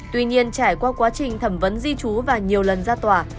tuy nhiên trải qua quá trình thẩm vấn di trú và nhiều lần ra tòa